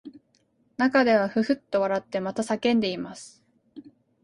中ではふっふっと笑ってまた叫んでいます